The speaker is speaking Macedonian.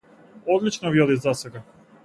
Одлично ви оди засега.